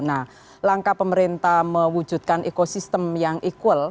nah langkah pemerintah mewujudkan ekosistem yang equal